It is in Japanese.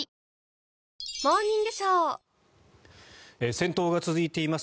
戦闘が続いています